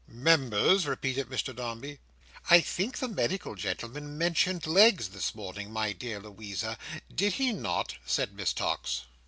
"Members!" repeated Mr Dombey. "I think the medical gentleman mentioned legs this morning, my dear Louisa, did he not?" said Miss Tox.